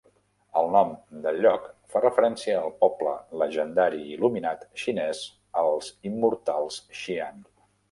El nom del lloc fa referència al poble llegendari il·luminat xinès, els "immortals" Xian.